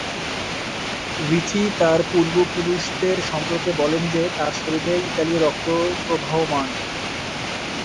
রিচি তার পূর্বপুরুষদের সম্পর্কে বলেন যে তার শরীরে ইতালীয় রক্ত প্রবহমান।